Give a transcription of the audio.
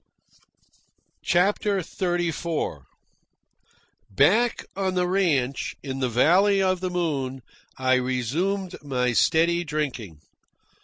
CHAPTER XXXIV Back on the ranch, in the Valley of the Moon, I resumed my steady drinking.